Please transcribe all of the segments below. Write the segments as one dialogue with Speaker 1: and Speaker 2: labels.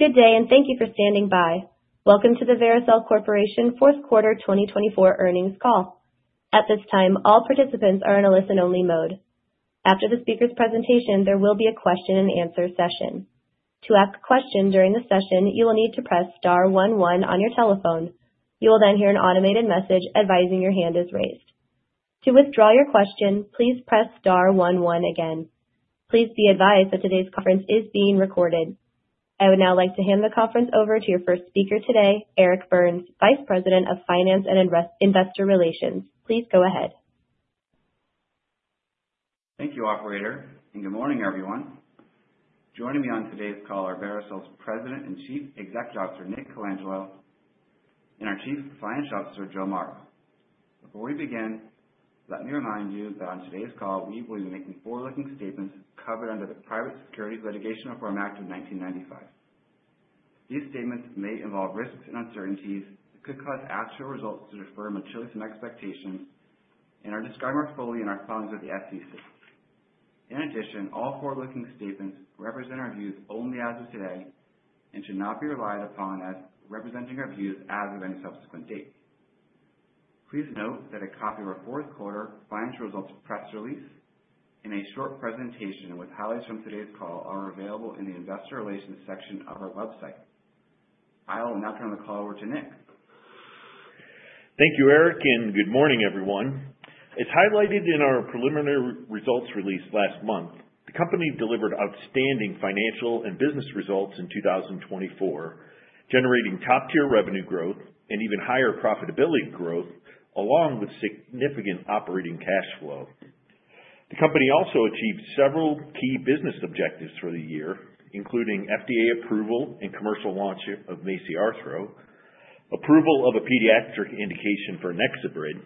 Speaker 1: Good day, and thank you for standing by. Welcome to the Vericel Corporation Fourth Quarter 2024 Earnings Call. At this time, all participants are in a listen-only mode. After the speaker's presentation, there will be a question-and-answer session. To ask a question during the session, you will need to press star one one on your telephone. You will then hear an automated message advising your hand is raised. To withdraw your question, please press star one one again. Please be advised that today's conference is being recorded. I would now like to hand the conference over to your first speaker today, Eric Burns, Vice President of Finance and Investor Relations. Please go ahead.
Speaker 2: Thank you, Operator, and good morning, everyone. Joining me on today's call are Vericel's President and Chief Executive Officer, Nick Colangelo, and our Chief Financial Officer, Joe Mara. Before we begin, let me remind you that on today's call, we will be making forward-looking statements covered under the Private Securities Litigation Reform Act of 1995. These statements may involve risks and uncertainties that could cause actual results to differ materially from expectations and are described more fully in our filings with the SEC. In addition, all forward-looking statements represent our views only as of today and should not be relied upon as representing our views as of any subsequent date. Please note that a copy of our Fourth Quarter Financial Results press release and a short presentation with highlights from today's call are available in the Investor Relations section of our website. I'll now turn the call over to Nick.
Speaker 3: Thank you, Eric, and good morning, everyone. As highlighted in our preliminary results release last month, the company delivered outstanding financial and business results in 2024, generating top-tier revenue growth and even higher profitability growth, along with significant operating cash flow. The company also achieved several key business objectives for the year, including FDA approval and commercial launch of MACI Arthro, approval of a pediatric indication for NexoBrid,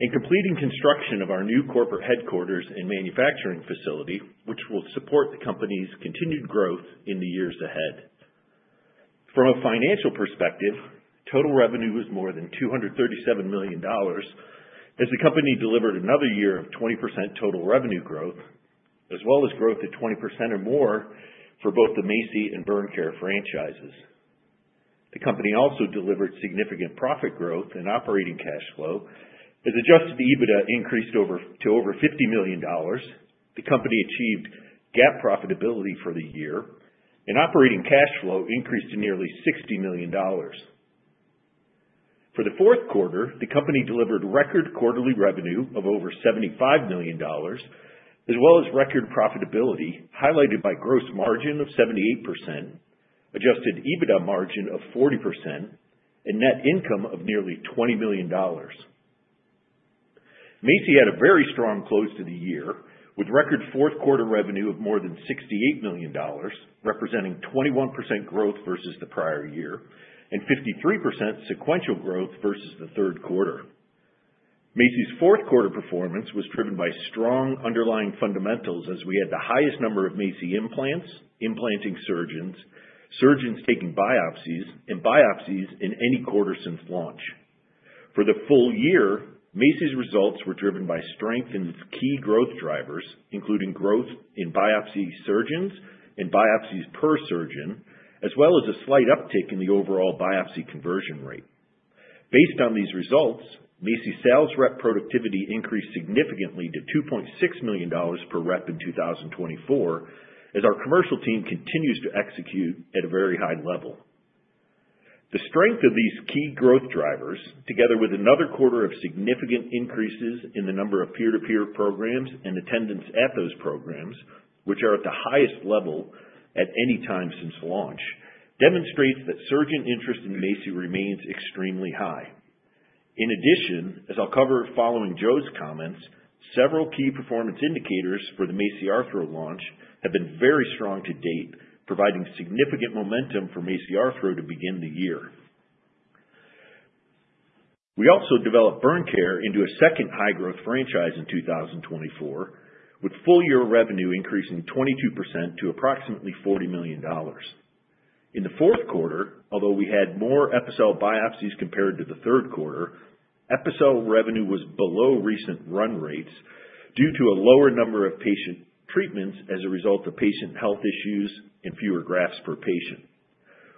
Speaker 3: and completing construction of our new corporate headquarters and manufacturing facility, which will support the company's continued growth in the years ahead. From a financial perspective, total revenue was more than $237 million as the company delivered another year of 20% total revenue growth, as well as growth of 20% or more for both the MACI and Burn Care franchises. The company also delivered significant profit growth and operating cash flow. As adjusted EBITDA increased to over $50 million, the company achieved GAAP profitability for the year, and operating cash flow increased to nearly $60 million. For the fourth quarter, the company delivered record quarterly revenue of over $75 million, as well as record profitability highlighted by gross margin of 78%, adjusted EBITDA margin of 40%, and net income of nearly $20 million. MACI had a very strong close to the year with record fourth quarter revenue of more than $68 million, representing 21% growth versus the prior year and 53% sequential growth versus the third quarter. MACI's fourth quarter performance was driven by strong underlying fundamentals as we had the highest number of MACI implants, implanting surgeons, surgeons taking biopsies, and biopsies in any quarter since launch. For the full year, MACI's results were driven by strength in key growth drivers, including growth in biopsy surgeons and biopsies per surgeon, as well as a slight uptick in the overall biopsy conversion rate. Based on these results, MACI's sales rep productivity increased significantly to $2.6 million per rep in 2024 as our commercial team continues to execute at a very high level. The strength of these key growth drivers, together with another quarter of significant increases in the number of peer-to-peer programs and attendance at those programs, which are at the highest level at any time since launch, demonstrates that surgeon interest in MACI remains extremely high. In addition, as I'll cover following Joe's comments, several key performance indicators for the MACI Arthro launch have been very strong to date, providing significant momentum for MACI Arthro to begin the year. We also developed Burn Care into a second high-growth franchise in 2024, with full-year revenue increasing 22% to approximately $40 million. In the fourth quarter, although we had more Epicel biopsies compared to the third quarter, Epicel revenue was below recent run rates due to a lower number of patient treatments as a result of patient health issues and fewer grafts per patient.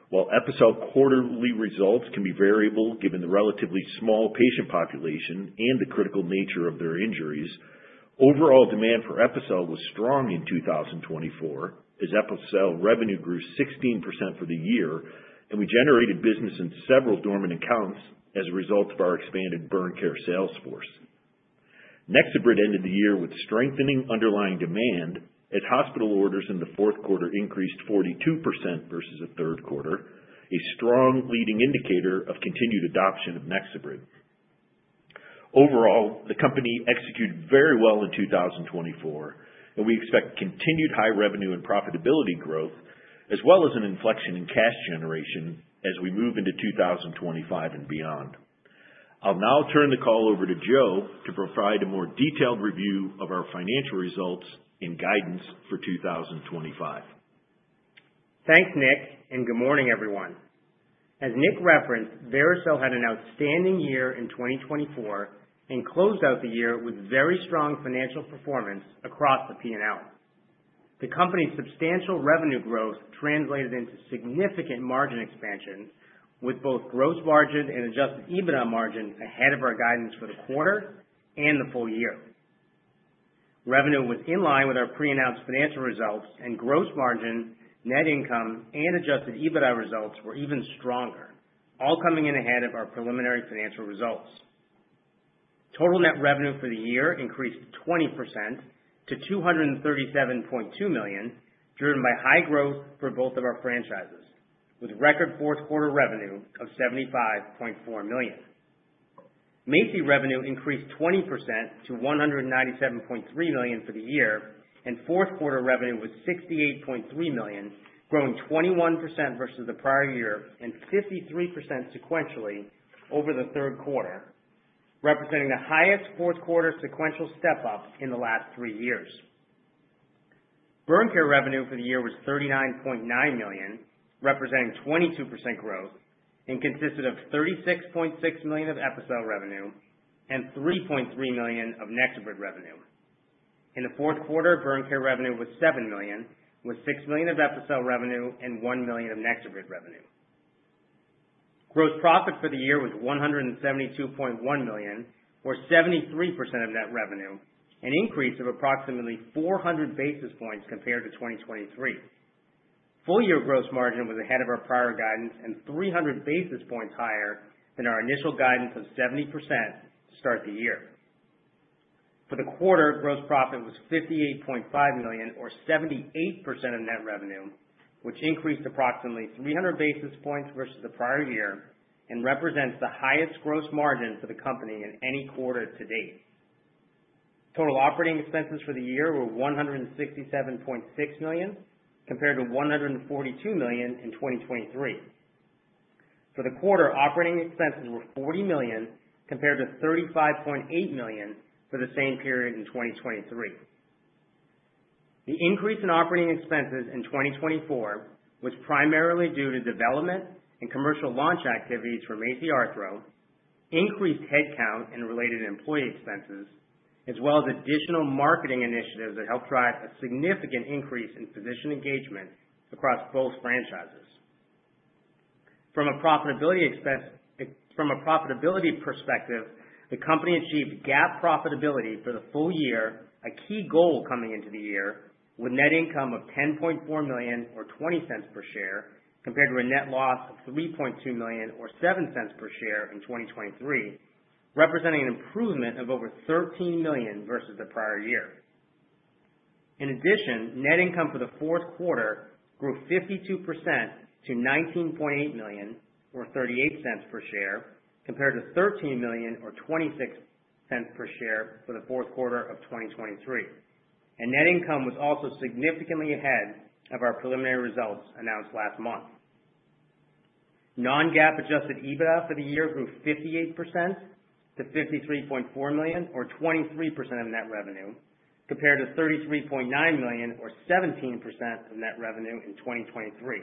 Speaker 3: While Epicel quarterly results can be variable given the relatively small patient population and the critical nature of their injuries, overall demand for Epicel was strong in 2024 as Epicel revenue grew 16% for the year, and we generated business in several dormant accounts as a result of our expanded Burn Care sales force. NexoBrid ended the year with strengthening underlying demand as hospital orders in the fourth quarter increased 42% versus the third quarter, a strong leading indicator of continued adoption of NexoBrid. Overall, the company executed very well in 2024, and we expect continued high revenue and profitability growth, as well as an inflection in cash generation as we move into 2025 and beyond. I'll now turn the call over to Joe to provide a more detailed review of our financial results and guidance for 2025.
Speaker 4: Thanks, Nick, and good morning, everyone. As Nick referenced, Vericel had an outstanding year in 2024 and closed out the year with very strong financial performance across the P&L. The company's substantial revenue growth translated into significant margin expansions with both gross margin and adjusted EBITDA margin ahead of our guidance for the quarter and the full year. Revenue was in line with our pre-announced financial results, and gross margin, net income, and adjusted EBITDA results were even stronger, all coming in ahead of our preliminary financial results. Total net revenue for the year increased 20% to $237.2 million, driven by high growth for both of our franchises, with record fourth quarter revenue of $75.4 million. MACI revenue increased 20% to $197.3 million for the year, and fourth quarter revenue was $68.3 million, growing 21% versus the prior year and 53% sequentially over the third quarter, representing the highest fourth quarter sequential step-up in the last three years. Burn care revenue for the year was $39.9 million, representing 22% growth, and consisted of $36.6 million of Epicel revenue and $3.3 million of NexoBrid revenue. In the fourth quarter, Burn care revenue was $7 million, with $6 million of Epicel revenue and $1 million of NexoBrid revenue. Gross profit for the year was $172.1 million, or 73% of net revenue, an increase of approximately 400 basis points compared to 2023. Full-year gross margin was ahead of our prior guidance and 300 basis points higher than our initial guidance of 70% to start the year. For the quarter, gross profit was $58.5 million, or 78% of net revenue, which increased approximately 300 basis points versus the prior year and represents the highest gross margin for the company in any quarter to date. Total operating expenses for the year were $167.6 million compared to $142 million in 2023. For the quarter, operating expenses were $40 million compared to $35.8 million for the same period in 2023. The increase in operating expenses in 2024, which was primarily due to development and commercial launch activities for MACI Arthro, increased headcount and related employee expenses, as well as additional marketing initiatives that helped drive a significant increase in physician engagement across both franchises. From a profitability perspective, the company achieved GAAP profitability for the full year, a key goal coming into the year, with net income of $10.4 million, or 20 cents per share, compared to a net loss of $3.2 million, or 7 cents per share in 2023, representing an improvement of over $13 million versus the prior year. In addition, net income for the fourth quarter grew 52% to $19.8 million, or 38 cents per share, compared to $13 million, or 26 cents per share for the fourth quarter of 2023. Net income was also significantly ahead of our preliminary results announced last month. Non-GAAP adjusted EBITDA for the year grew 58% to $53.4 million, or 23% of net revenue, compared to $33.9 million, or 17% of net revenue in 2023,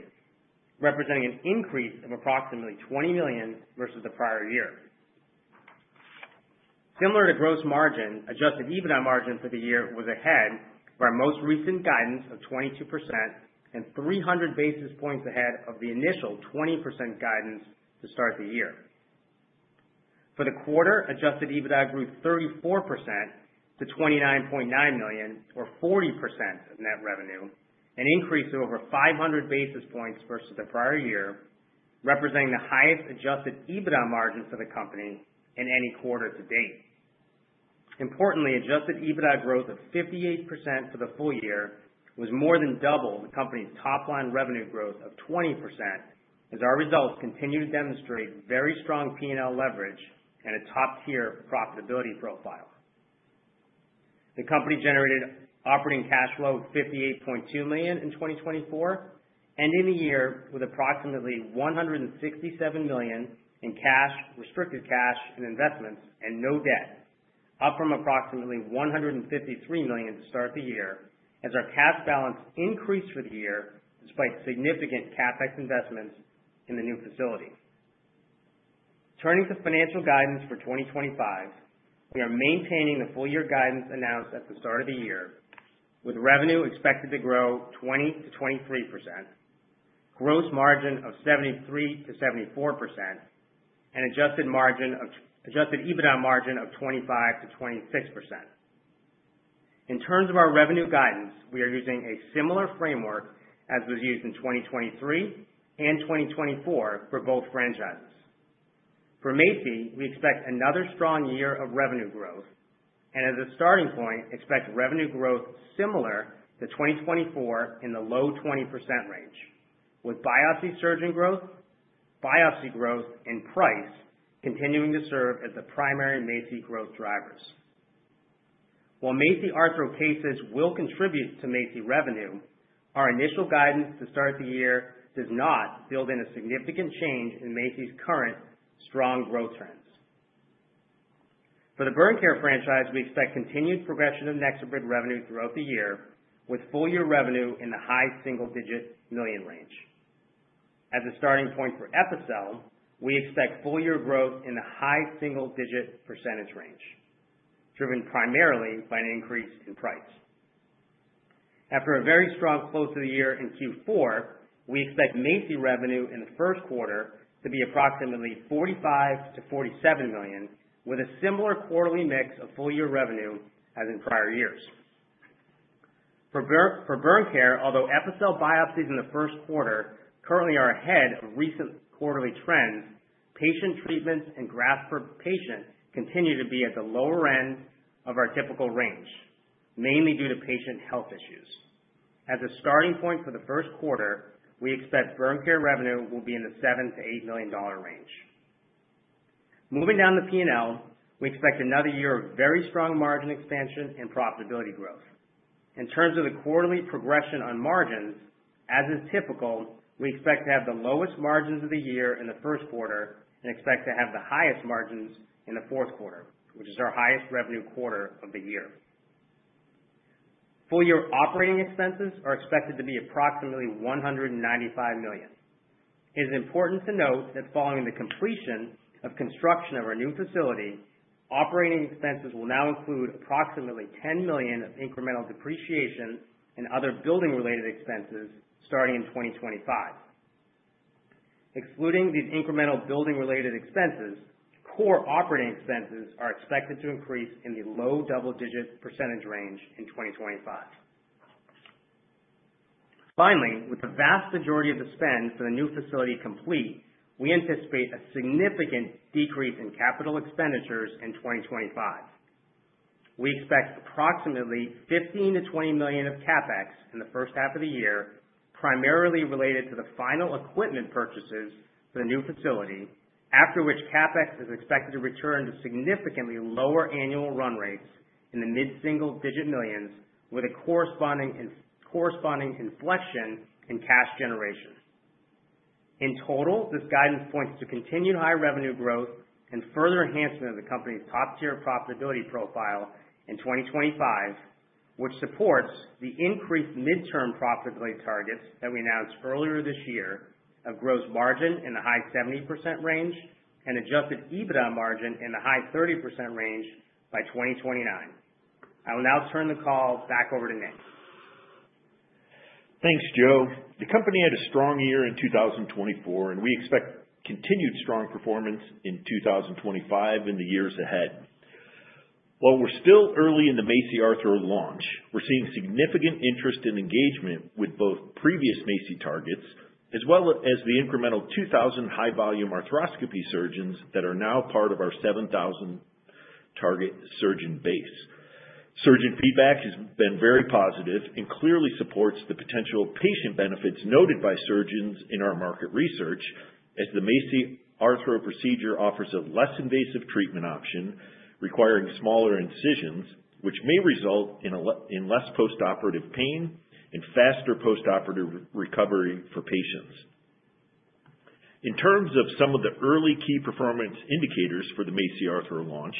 Speaker 4: representing an increase of approximately $20 million versus the prior year. Similar to gross margin, adjusted EBITDA margin for the year was ahead of our most recent guidance of 22% and 300 basis points ahead of the initial 20% guidance to start the year. For the quarter, adjusted EBITDA grew 34% to $29.9 million, or 40% of net revenue, an increase of over 500 basis points versus the prior year, representing the highest adjusted EBITDA margin for the company in any quarter to date. Importantly, adjusted EBITDA growth of 58% for the full year was more than double the company's top-line revenue growth of 20%, as our results continue to demonstrate very strong P&L leverage and a top-tier profitability profile. The company generated operating cash flow of $58.2 million in 2024, ending the year with approximately $167 million in cash, restricted cash, and investments, and no debt, up from approximately $153 million to start the year, as our cash balance increased for the year despite significant CapEx investments in the new facility. Turning to financial guidance for 2025, we are maintaining the full-year guidance announced at the start of the year, with revenue expected to grow 20 to 23%, gross margin of 73 to 74%, and adjusted EBITDA margin of 25 to 26%. In terms of our revenue guidance, we are using a similar framework as was used in 2023 and 2024 for both franchises. For MACI, we expect another strong year of revenue growth, and as a starting point, expect revenue growth similar to 2024 in the low 20% range, with biopsy surgeon growth, biopsy growth, and price continuing to serve as the primary MACI growth drivers. While MACI Arthro cases will contribute to MACI revenue, our initial guidance to start the year does not build in a significant change in MACI's current strong growth trends. For the Burn Care franchise, we expect continued progression of NexoBrid revenue throughout the year, with full-year revenue in the high single-digit $ million range. As a starting point for Epicel, we expect full-year growth in the high single-digit % range, driven primarily by an increase in price. After a very strong close to the year in Q4, we expect MACI revenue in the first quarter to be approximately $45 million to 47 million, with a similar quarterly mix of full-year revenue as in prior years. For Burn Care, although Epicel biopsies in the first quarter currently are ahead of recent quarterly trends, patient treatments and grafts per patient continue to be at the lower end of our typical range, mainly due to patient health issues. As a starting point for the first quarter, we expect Burn Care revenue will be in the $7 million to 8 million range. Moving down the P&L, we expect another year of very strong margin expansion and profitability growth. In terms of the quarterly progression on margins, as is typical, we expect to have the lowest margins of the year in the first quarter and expect to have the highest margins in the fourth quarter, which is our highest revenue quarter of the year. Full-year operating expenses are expected to be approximately $195 million. It is important to note that following the completion of construction of our new facility, operating expenses will now include approximately $10 million of incremental depreciation and other building-related expenses starting in 2025. Excluding these incremental building-related expenses, core operating expenses are expected to increase in the low double-digit percentage range in 2025. Finally, with the vast majority of the spend for the new facility complete, we anticipate a significant decrease in capital expenditures in 2025. We expect approximately $15 million to 20 million of CapEx in the first half of the year, primarily related to the final equipment purchases for the new facility, after which CapEx is expected to return to significantly lower annual run rates in the mid-single-digit millions, with a corresponding inflection in cash generation. In total, this guidance points to continued high revenue growth and further enhancement of the company's top-tier profitability profile in 2025, which supports the increased midterm profitability targets that we announced earlier this year of gross margin in the high 70% range and Adjusted EBITDA margin in the high 30% range by 2029. I will now turn the call back over to Nick.
Speaker 3: Thanks, Joe. The company had a strong year in 2024, and we expect continued strong performance in 2025 and the years ahead. While we're still early in the MACI Arthro launch, we're seeing significant interest and engagement with both previous MACI targets as well as the incremental 2,000 high-volume arthroscopy surgeons that are now part of our 7,000 target surgeon base. Surgeon feedback has been very positive and clearly supports the potential patient benefits noted by surgeons in our market research, as the MACI Arthro procedure offers a less invasive treatment option requiring smaller incisions, which may result in less postoperative pain and faster postoperative recovery for patients. In terms of some of the early key performance indicators for the MACI Arthro launch,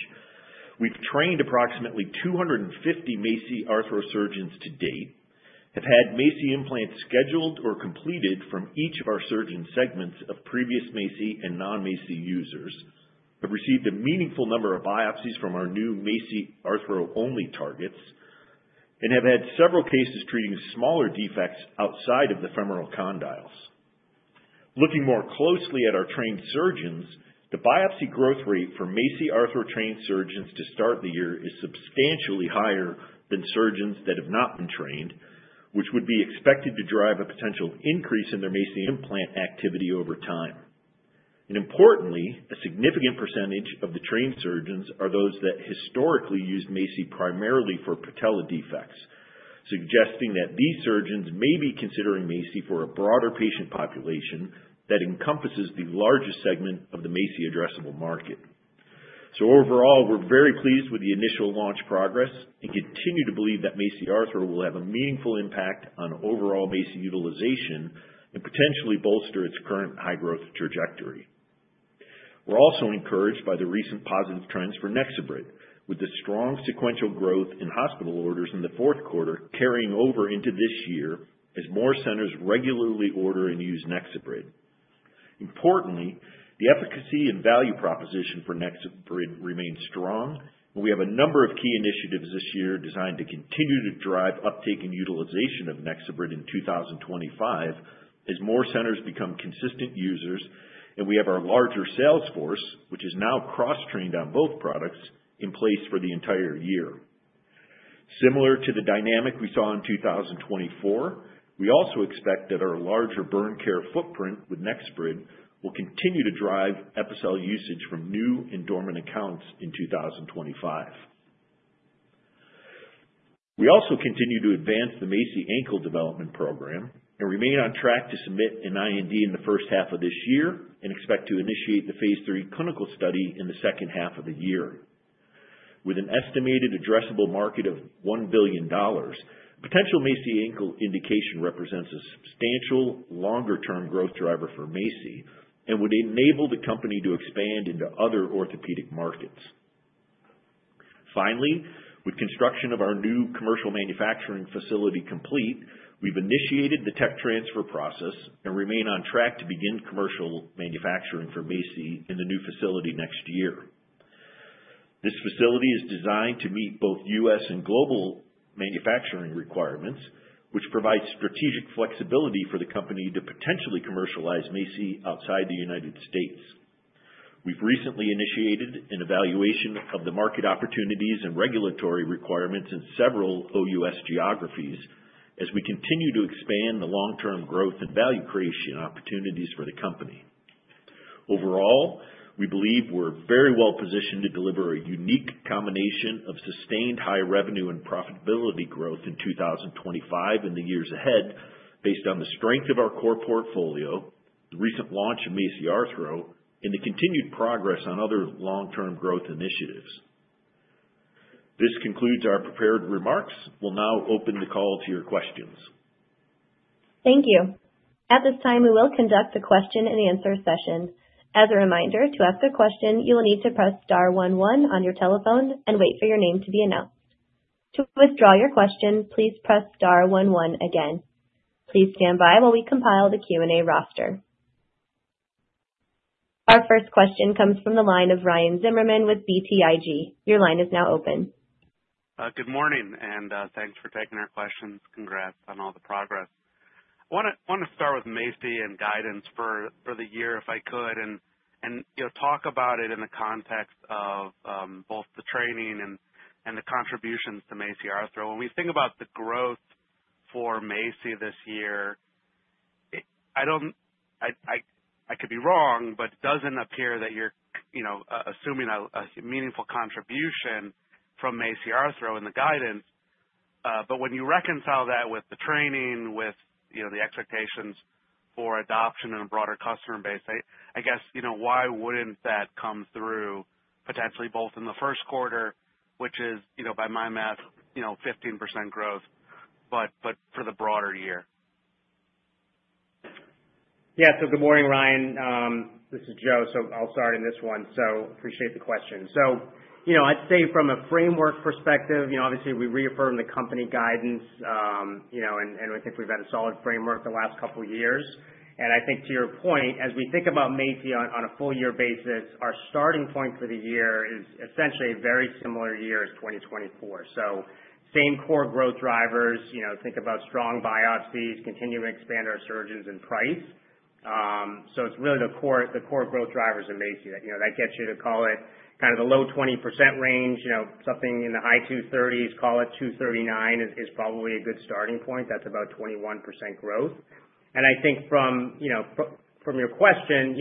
Speaker 3: we've trained approximately 250 MACI Arthro surgeons to date, have had MACI implants scheduled or completed from each of our surgeon segments of previous MACI and non-MACI users, have received a meaningful number of biopsies from our new MACI Arthro-only targets, and have had several cases treating smaller defects outside of the femoral condyles. Looking more closely at our trained surgeons, the biopsy growth rate for MACI Arthro trained surgeons to start the year is substantially higher than surgeons that have not been trained, which would be expected to drive a potential increase in their MACI implant activity over time. Importantly, a significant percentage of the trained surgeons are those that historically used MACI primarily for patella defects, suggesting that these surgeons may be considering MACI for a broader patient population that encompasses the largest segment of the MACI addressable market. Overall, we're very pleased with the initial launch progress and continue to believe that MACI Arthro will have a meaningful impact on overall MACI utilization and potentially bolster its current high-growth trajectory. We're also encouraged by the recent positive trends for NexoBrid, with the strong sequential growth in hospital orders in the fourth quarter carrying over into this year as more centers regularly order and use NexoBrid. Importantly, the efficacy and value proposition for NexoBrid remains strong, and we have a number of key initiatives this year designed to continue to drive uptake and utilization of NexoBrid in 2025 as more centers become consistent users, and we have our larger sales force, which is now cross-trained on both products, in place for the entire year. Similar to the dynamic we saw in 2024, we also expect that our larger Burn Care footprint with NexoBrid will continue to drive Epicel usage from new and dormant accounts in 2025. We also continue to advance the MACI Ankle Development Program and remain on track to submit an IND in the first half of this year and expect to initiate the phase III clinical study in the second half of the year. With an estimated addressable market of $1 billion, potential MACI Ankle indication represents a substantial longer-term growth driver for MACI and would enable the company to expand into other orthopedic markets. Finally, with construction of our new commercial manufacturing facility complete, we've initiated the tech transfer process and remain on track to begin commercial manufacturing for MACI in the new facility next year. This facility is designed to meet both U.S. and global manufacturing requirements, which provides strategic flexibility for the company to potentially commercialize MACI outside the United States. We've recently initiated an evaluation of the market opportunities and regulatory requirements in several OUS geographies as we continue to expand the long-term growth and value creation opportunities for the company. Overall, we believe we're very well positioned to deliver a unique combination of sustained high revenue and profitability growth in 2025 and the years ahead based on the strength of our core portfolio, the recent launch of MACI Arthro, and the continued progress on other long-term growth initiatives. This concludes our prepared remarks. We'll now open the call to your questions.
Speaker 1: Thank you. At this time, we will conduct the question-and-answer session. As a reminder, to ask a question, you will need to press star one one on your telephone and wait for your name to be announced. To withdraw your question, please press star one one again. Please stand by while we compile the Q&A roster. Our first question comes from the line of Ryan Zimmerman with BTIG. Your line is now open.
Speaker 5: Good morning, and thanks for taking our questions. Congrats on all the progress. I want to start with MACI and guidance for the year if I could and talk about it in the context of both the training and the contributions to MACI Arthro. When we think about the growth for MACI this year, I could be wrong, but it doesn't appear that you're assuming a meaningful contribution from MACI Arthro in the guidance. But when you reconcile that with the training, with the expectations for adoption and a broader customer base, I guess why wouldn't that come through potentially both in the first quarter, which is, by my math, 15% growth, but for the broader year?
Speaker 4: Yeah. So good morning, Ryan. This is Joe. So I'll start in this one. So appreciate the question. So I'd say from a framework perspective, obviously, we reaffirm the company guidance, and I think we've had a solid framework the last couple of years. And I think to your point, as we think about MACI on a full-year basis, our starting point for the year is essentially a very similar year as 2024. So same core growth drivers. Think about strong biopsies, continuing to expand our surgeons and price. So it's really the core growth drivers in MACI. That gets you to call it kind of the low 20% range, something in the high 230s, call it 239, is probably a good starting point. That's about 21% growth. I think from your question,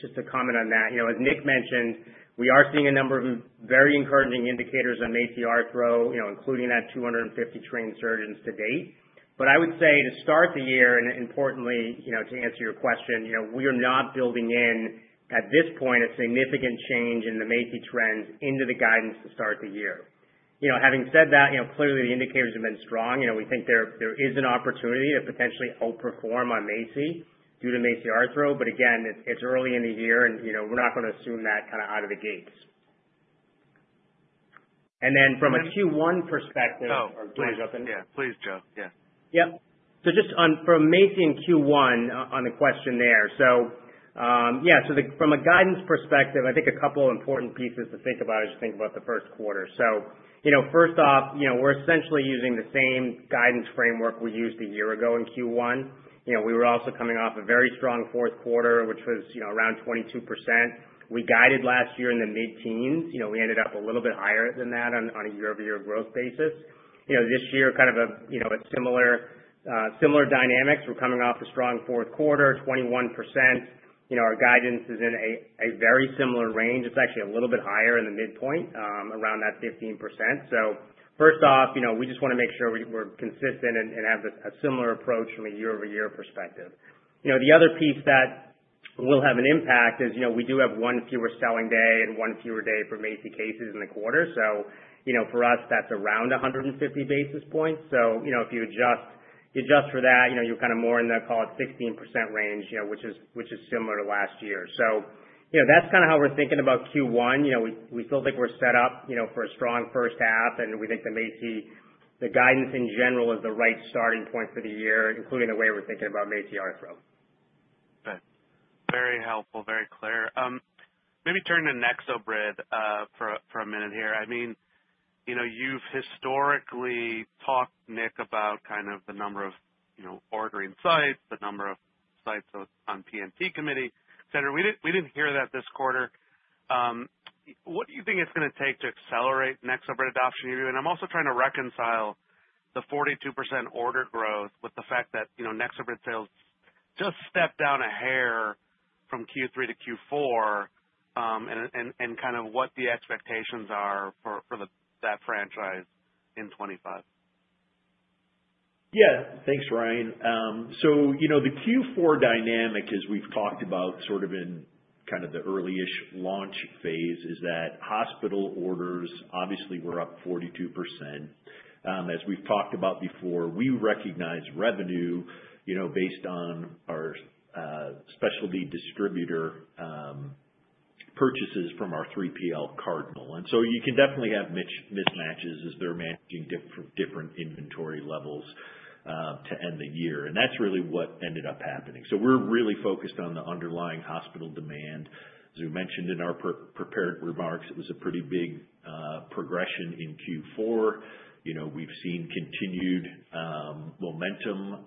Speaker 4: just to comment on that, as Nick mentioned, we are seeing a number of very encouraging indicators on MACI Arthro, including 250 trained surgeons to date. But I would say to start the year, and importantly, to answer your question, we are not building in at this point a significant change in the MACI trends into the guidance to start the year. Having said that, clearly, the indicators have been strong. We think there is an opportunity to potentially outperform on MACI due to MACI Arthro. But again, it's early in the year, and we're not going to assume that kind of out of the gates. Then from a Q1 perspective.
Speaker 5: Oh, please. Yeah. Please, Joe. Yeah.
Speaker 4: Yep. So just from MACI and Q1 on the question there. So yeah, so from a guidance perspective, I think a couple of important pieces to think about as you think about the first quarter. So first off, we're essentially using the same guidance framework we used a year ago in Q1. We were also coming off a very strong fourth quarter, which was around 22%. We guided last year in the mid-teens. We ended up a little bit higher than that on a year-over-year growth basis. This year, kind of a similar dynamic. We're coming off a strong fourth quarter, 21%. Our guidance is in a very similar range. It's actually a little bit higher in the midpoint, around that 15%. So first off, we just want to make sure we're consistent and have a similar approach from a year-over-year perspective. The other piece that will have an impact is we do have one fewer selling day and one fewer day for MACI cases in the quarter. So for us, that's around 150 basis points. So if you adjust for that, you're kind of more in the, call it, 16% range, which is similar to last year. So that's kind of how we're thinking about Q1. We still think we're set up for a strong first half, and we think the guidance in general is the right starting point for the year, including the way we're thinking about MACI Arthro.
Speaker 5: Okay. Very helpful, very clear. Maybe turn to NexoBrid for a minute here. I mean, you've historically talked, Nick, about kind of the number of ordering sites, the number of sites on P&T committee, etc. We didn't hear that this quarter. What do you think it's going to take to accelerate NexoBrid adoption? And I'm also trying to reconcile the 42% order growth with the fact that NexoBrid sales just stepped down a hair from Q3 to Q4 and kind of what the expectations are for that franchise in 2025.
Speaker 3: Yeah. Thanks, Ryan, so the Q4 dynamic, as we've talked about sort of in kind of the early-ish launch phase, is that hospital orders, obviously, were up 42%. As we've talked about before, we recognize revenue based on our specialty distributor purchases from our 3PL Cardinal, and so you can definitely have mismatches as they're managing different inventory levels to end the year. And that's really what ended up happening, so we're really focused on the underlying hospital demand. As we mentioned in our prepared remarks, it was a pretty big progression in Q4. We've seen continued momentum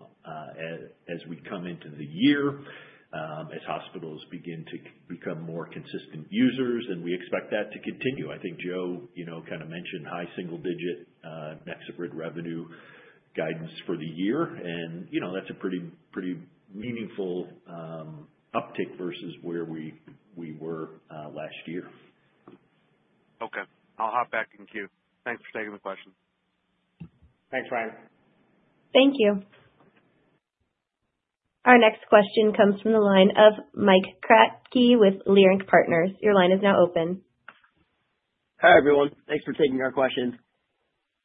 Speaker 3: as we come into the year as hospitals begin to become more consistent users, and we expect that to continue. I think Joe kind of mentioned high single-digit NexoBrid revenue guidance for the year, and that's a pretty meaningful uptick versus where we were last year.
Speaker 5: Okay. I'll hop back in Q. Thanks for taking the question.
Speaker 4: Thanks, Ryan.
Speaker 1: Thank you. Our next question comes from the line of Mike Kratky with Leerink Partners. Your line is now open.
Speaker 6: Hi everyone. Thanks for taking our questions.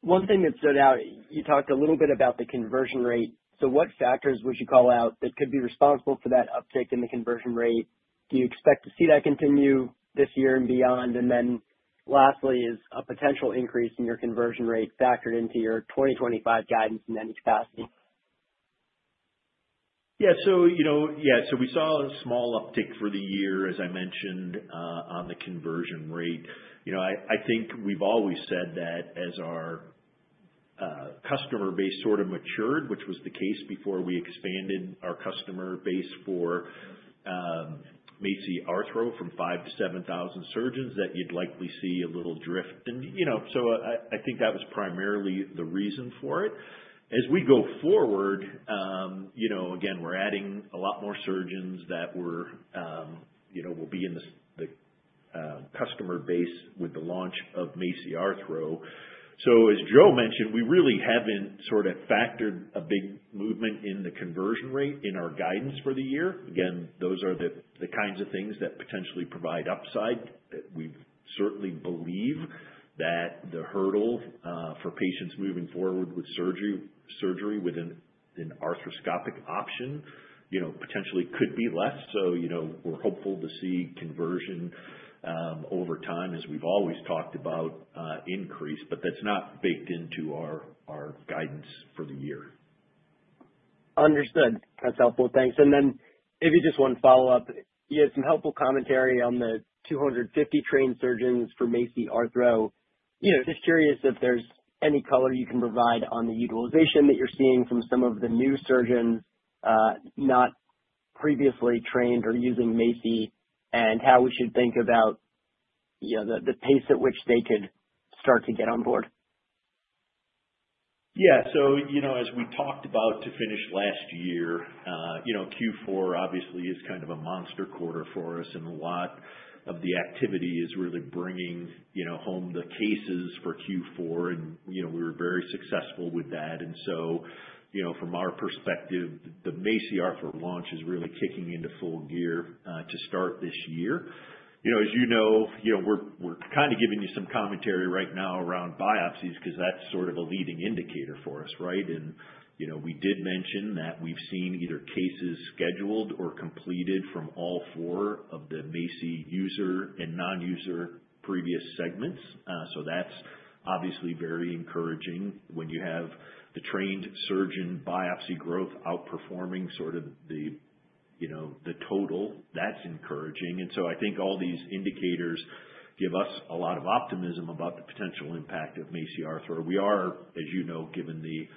Speaker 6: One thing that stood out, you talked a little bit about the conversion rate. So what factors would you call out that could be responsible for that uptick in the conversion rate? Do you expect to see that continue this year and beyond? And then lastly, is a potential increase in your conversion rate factored into your 2025 guidance in any capacity?
Speaker 3: Yeah. So yeah, so we saw a small uptick for the year, as I mentioned, on the conversion rate. I think we've always said that as our customer base sort of matured, which was the case before we expanded our customer base for MACI Arthro from 5,000 to 7,000 surgeons, that you'd likely see a little drift. And so I think that was primarily the reason for it. As we go forward, again, we're adding a lot more surgeons that will be in the customer base with the launch of MACI Arthro. So as Joe mentioned, we really haven't sort of factored a big movement in the conversion rate in our guidance for the year. Again, those are the kinds of things that potentially provide upside. We certainly believe that the hurdle for patients moving forward with surgery with an arthroscopic option potentially could be less. So we're hopeful to see conversion over time, as we've always talked about, increase, but that's not baked into our guidance for the year.
Speaker 6: Understood. That's helpful. Thanks. And then maybe just one follow-up. You had some helpful commentary on the 250 trained surgeons for MACI Arthro. Just curious if there's any color you can provide on the utilization that you're seeing from some of the new surgeons not previously trained or using MACI and how we should think about the pace at which they could start to get on board.
Speaker 3: Yeah. So as we talked about to finish last year, Q4 obviously is kind of a monster quarter for us, and a lot of the activity is really bringing home the cases for Q4, and we were very successful with that. And so from our perspective, the MACI Arthro launch is really kicking into full gear to start this year. As you know, we're kind of giving you some commentary right now around biopsies because that's sort of a leading indicator for us, right? And we did mention that we've seen either cases scheduled or completed from all four of the MACI user and non-user previous segments. So that's obviously very encouraging when you have the trained surgeon biopsy growth outperforming sort of the total. That's encouraging. And so I think all these indicators give us a lot of optimism about the potential impact of MACI Arthro. We are, as you know, given the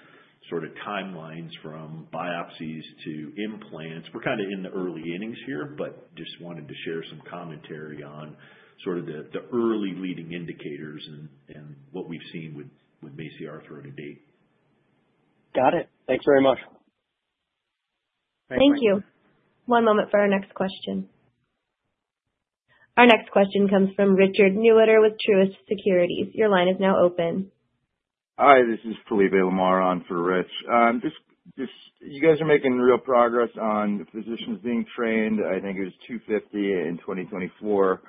Speaker 3: sort of timelines from biopsies to implants, we're kind of in the early innings here, but just wanted to share some commentary on sort of the early leading indicators and what we've seen with MACI Arthro to date.
Speaker 6: Got it. Thanks very much.
Speaker 3: Thank you.
Speaker 1: Thank you. One moment for our next question. Our next question comes from Richard Newitter with Truist Securities. Your line is now open.
Speaker 7: Hi. This is Felipe Lamar on for Rich. You guys are making real progress on physicians being trained. I think it was 250 in 2024.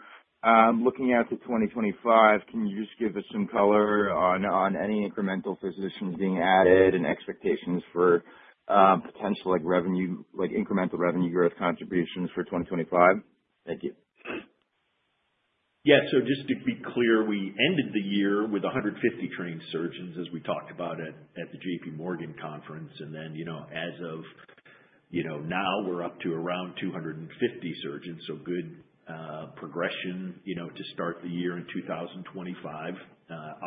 Speaker 7: Looking out to 2025, can you just give us some color on any incremental physicians being added and expectations for potential incremental revenue growth contributions for 2025? Thank you.
Speaker 3: Yeah. So just to be clear, we ended the year with 150 trained surgeons, as we talked about at the JPMorgan conference. And then as of now, we're up to around 250 surgeons, so good progression to start the year in 2025.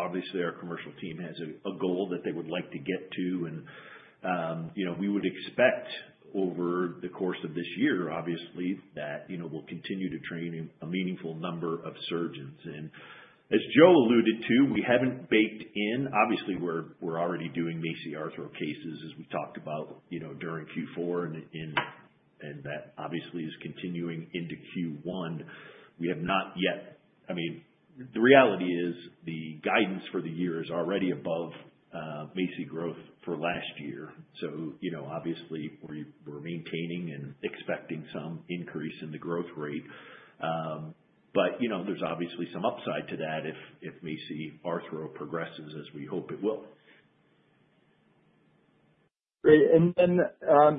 Speaker 3: Obviously, our commercial team has a goal that they would like to get to, and we would expect over the course of this year, obviously, that we'll continue to train a meaningful number of surgeons. And as Joe alluded to, we haven't baked in. Obviously, we're already doing MACI Arthro cases, as we talked about during Q4, and that obviously is continuing into Q1. We have not yet. I mean, the reality is the guidance for the year is already above MACI growth for last year. So obviously, we're maintaining and expecting some increase in the growth rate. But there's obviously some upside to that if MACI Arthro progresses as we hope it will.
Speaker 7: Great. And then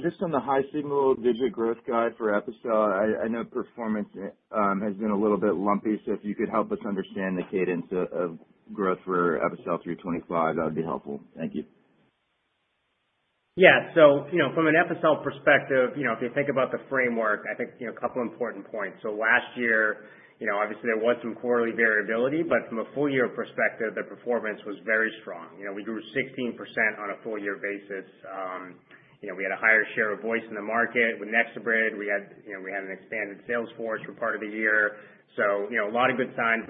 Speaker 7: just on the high single-digit growth guide for Epicel, I know performance has been a little bit lumpy. So if you could help us understand the cadence of growth for Epicel 325, that would be helpful. Thank you.
Speaker 4: Yeah. So from an Epicel perspective, if you think about the framework, I think a couple of important points. So last year, obviously, there was some quarterly variability, but from a full-year perspective, the performance was very strong. We grew 16% on a full-year basis. We had a higher share of voice in the market with NexoBrid. We had an expanded sales force for part of the year. So a lot of good signs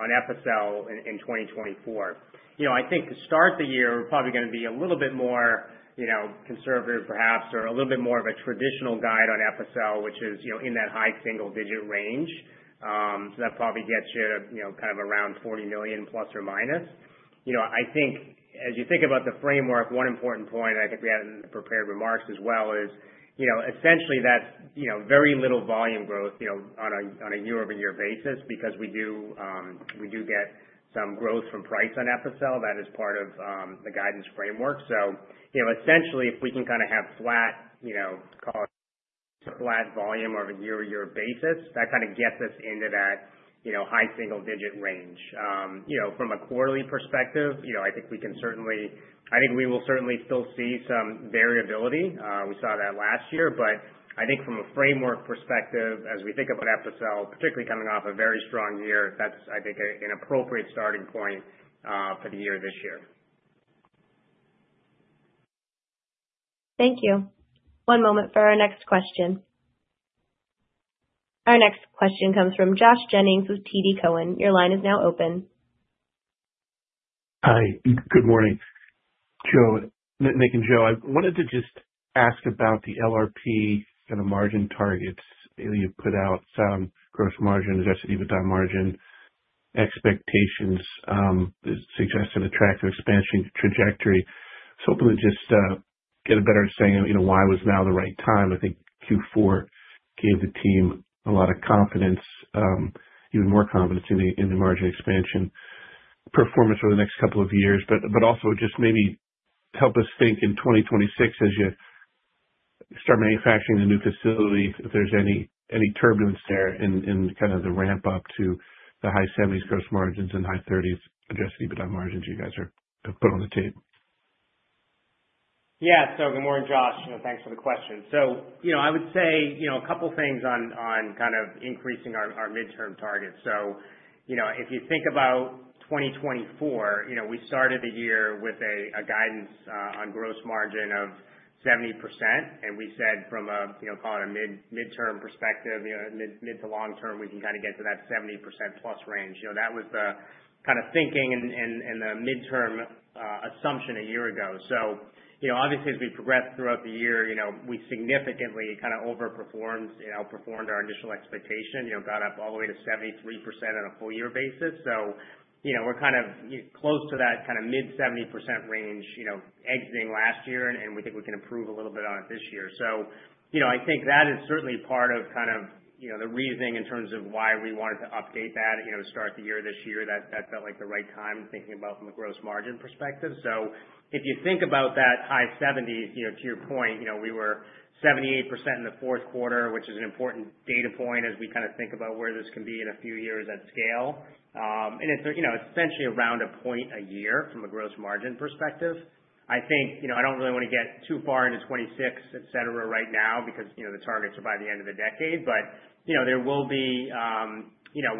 Speaker 4: on Epicel in 2024. I think to start the year, we're probably going to be a little bit more conservative, perhaps, or a little bit more of a traditional guide on Epicel, which is in that high single-digit range. So that probably gets you kind of around $40 million plus or minus. I think as you think about the framework, one important point I think we had in the prepared remarks as well is essentially that's very little volume growth on a year-over-year basis because we do get some growth from price on Epicel. That is part of the guidance framework. So essentially, if we can kind of have flat volume over a year-over-year basis, that kind of gets us into that high single-digit range. From a quarterly perspective, I think we will certainly still see some variability. We saw that last year. But I think from a framework perspective, as we think about Epicel, particularly coming off a very strong year, that's, I think, an appropriate starting point for the year this year.
Speaker 1: Thank you. One moment for our next question. Our next question comes from Josh Jennings with TD Cowen. Your line is now open.
Speaker 3: Hi. Good morning. Nick and Joe, I wanted to just ask about the LRP and the margin targets that you put out, gross margin, adjusted EBITDA margin expectations that suggest an attractive expansion trajectory. So hoping to just get a better understanding of why was now the right time. I think Q4 gave the team a lot of confidence, even more confidence in the margin expansion performance over the next couple of years, but also just maybe help us think in 2026 as you start manufacturing the new facility, if there's any turbulence there in kind of the ramp-up to the high 70s gross margins and high 30s adjusted EBITDA margins you guys have put on the table.
Speaker 4: Yeah. So good morning, Josh. Thanks for the question. So I would say a couple of things on kind of increasing our midterm targets. So if you think about 2024, we started the year with a guidance on gross margin of 70%, and we said from a, call it, a midterm perspective, mid to long term, we can kind of get to that 70% plus range. That was the kind of thinking and the midterm assumption a year ago. So obviously, as we progressed throughout the year, we significantly kind of overperformed and outperformed our initial expectation, got up all the way to 73% on a full-year basis. So we're kind of close to that kind of mid 70% range exiting last year, and we think we can improve a little bit on it this year. So I think that is certainly part of kind of the reasoning in terms of why we wanted to update that to start the year this year. That felt like the right time thinking about from a gross margin perspective. So if you think about that high 70s%, to your point, we were 78% in the fourth quarter, which is an important data point as we kind of think about where this can be in a few years at scale. And it's essentially around a point a year from a gross margin perspective. I think I don't really want to get too far into 2026, etc., right now because the targets are by the end of the decade, but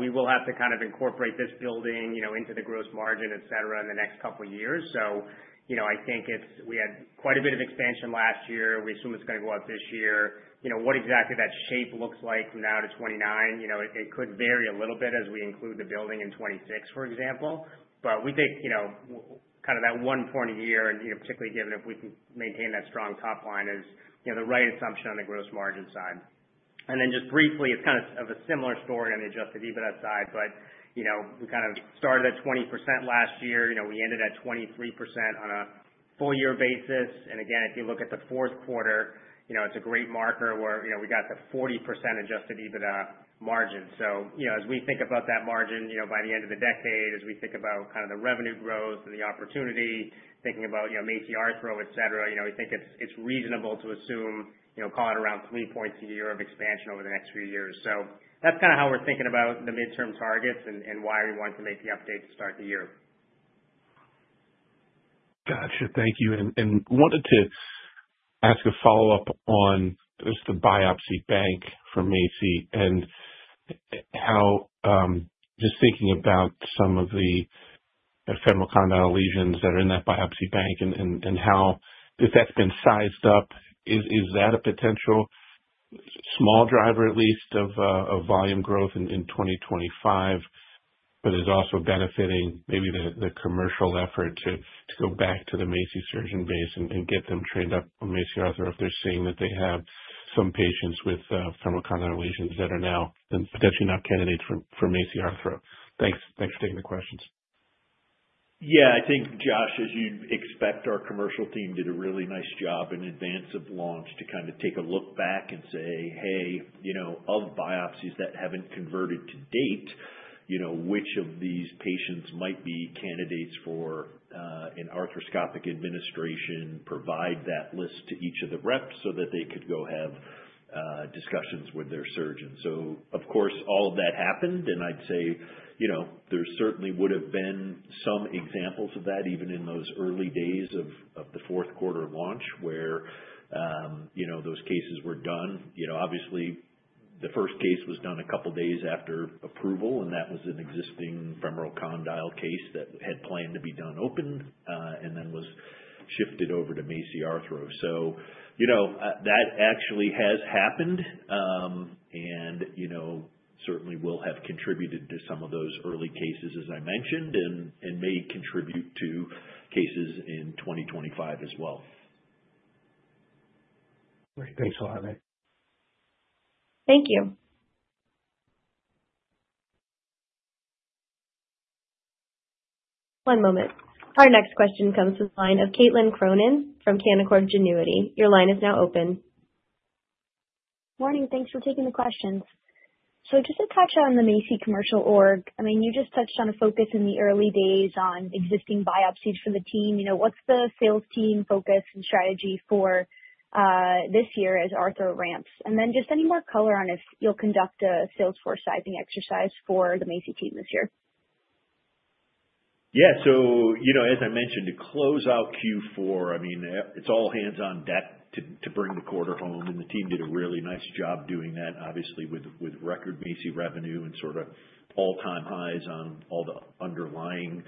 Speaker 4: we will have to kind of incorporate this building into the gross margin, etc., in the next couple of years. So I think we had quite a bit of expansion last year. We assume it's going to go up this year. What exactly that shape looks like from now to 2029, it could vary a little bit as we include the building in 2026, for example. But we think kind of that one point a year, and particularly given if we can maintain that strong top line, is the right assumption on the gross margin side. And then just briefly, it's kind of a similar story on the adjusted EBITDA side, but we kind of started at 20% last year. We ended at 23% on a full-year basis. And again, if you look at the fourth quarter, it's a great marker where we got the 40% adjusted EBITDA margin. So as we think about that margin by the end of the decade, as we think about kind of the revenue growth and the opportunity, thinking about MACI Arthro, etc., we think it's reasonable to assume, call it, around three points a year of expansion over the next few years. So that's kind of how we're thinking about the midterm targets and why we wanted to make the update to start the year.
Speaker 8: Gotcha. Thank you. And wanted to ask a follow-up on just the biopsy bank for MACI and how just thinking about some of the femoral condyle lesions that are in that biopsy bank and how, if that's been sized up, is that a potential small driver, at least, of volume growth in 2025, but is also benefiting maybe the commercial effort to go back to the MACI surgeon base and get them trained up on MACI Arthro if they're seeing that they have some patients with femoral condyle lesions that are now potentially not candidates for MACI Arthro? Thanks for taking the questions.
Speaker 3: Yeah. I think, Josh, as you expect, our commercial team did a really nice job in advance of launch to kind of take a look back and say, "Hey, of biopsies that haven't converted to date, which of these patients might be candidates for an arthroscopic administration?" Provide that list to each of the reps so that they could go have discussions with their surgeon. So, of course, all of that happened, and I'd say there certainly would have been some examples of that even in those early days of the fourth quarter launch where those cases were done. Obviously, the first case was done a couple of days after approval, and that was an existing femoral condyle case that had planned to be done open and then was shifted over to MACI Arthro. So that actually has happened and certainly will have contributed to some of those early cases, as I mentioned, and may contribute to cases in 2025 as well.
Speaker 8: Great. Thanks, a lot.
Speaker 1: Thank you. One moment. Our next question comes from the line of Caitlin Cronin from Canaccord Genuity. Your line is now open.
Speaker 9: Morning. Thanks for taking the questions. So just to touch on the MACI commercial org, I mean, you just touched on a focus in the early days on existing biopsies for the team. What's the sales team focus and strategy for this year as Arthro ramps? And then just any more color on if you'll conduct a sales force sizing exercise for the MACI team this year?
Speaker 3: Yeah. So, as I mentioned, to close out Q4, I mean, it's all hands on deck to bring the quarter home, and the team did a really nice job doing that, obviously, with record MACI revenue and sort of all-time highs on all the underlying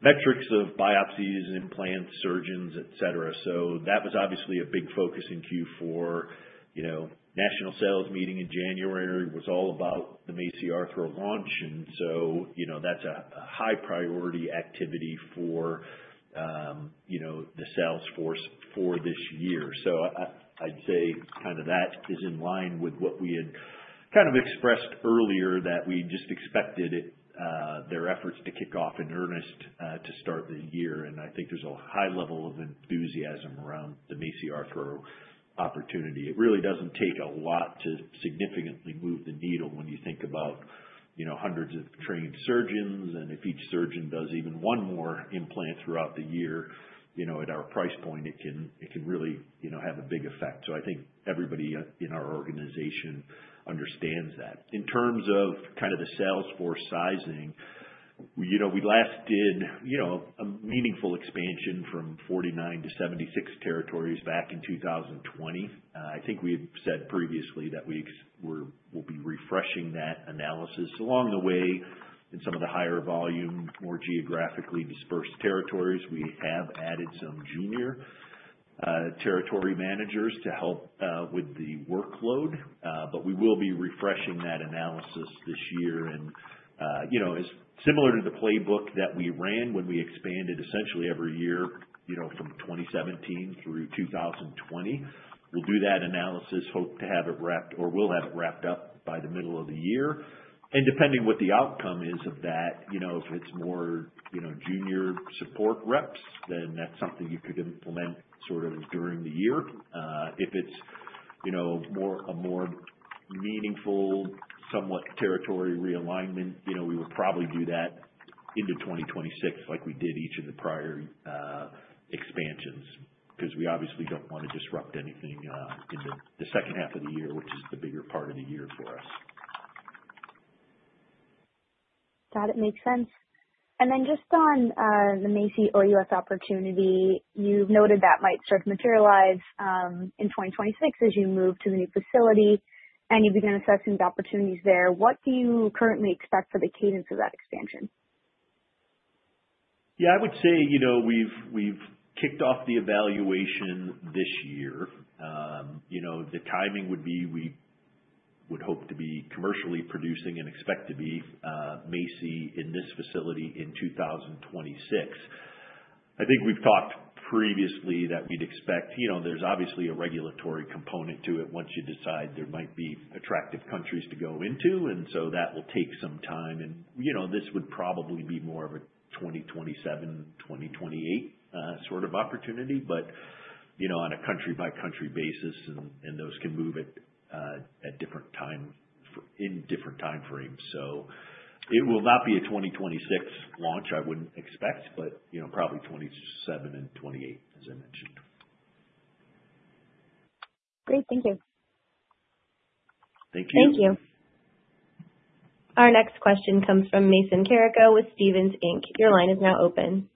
Speaker 3: metrics of biopsies, implants, surgeons, etc. So that was obviously a big focus in Q4. National sales meeting in January was all about the MACI Arthro launch, and so that's a high-priority activity for the sales force for this year. So I'd say kind of that is in line with what we had kind of expressed earlier that we just expected their efforts to kick off in earnest to start the year. And I think there's a high level of enthusiasm around the MACI Arthro opportunity. It really doesn't take a lot to significantly move the needle when you think about hundreds of trained surgeons. And if each surgeon does even one more implant throughout the year at our price point, it can really have a big effect. So I think everybody in our organization understands that. In terms of kind of the sales force sizing, we last did a meaningful expansion from 49 to 76 territories back in 2020. I think we had said previously that we will be refreshing that analysis. Along the way, in some of the higher volume, more geographically dispersed territories, we have added some junior territory managers to help with the workload, but we will be refreshing that analysis this year. And similar to the playbook that we ran when we expanded essentially every year from 2017 through 2020, we'll do that analysis, hope to have it wrapped or we'll have it wrapped up by the middle of the year. And depending what the outcome is of that, if it's more junior support reps, then that's something you could implement sort of during the year. If it's a more meaningful, somewhat territory realignment, we will probably do that into 2026 like we did each of the prior expansions because we obviously don't want to disrupt anything in the second half of the year, which is the bigger part of the year for us.
Speaker 9: That makes sense, and then just on the MACI OUS opportunity, you've noted that might start to materialize in 2026 as you move to the new facility, and you've been assessing the opportunities there. What do you currently expect for the cadence of that expansion?
Speaker 3: Yeah. I would say we've kicked off the evaluation this year. The timing would be we would hope to be commercially producing and expect to be MACI in this facility in 2026. I think we've talked previously that we'd expect there's obviously a regulatory component to it once you decide there might be attractive countries to go into. And so that will take some time. And this would probably be more of a 2027, 2028 sort of opportunity, but on a country-by-country basis, and those can move at different times in different time frames. So it will not be a 2026 launch, I wouldn't expect, but probably 2027 and 2028, as I mentioned.
Speaker 9: Great. Thank you.
Speaker 3: Thank you.
Speaker 1: Thank you. Our next question comes from Mason Carango with Stephens Inc. Your line is now open.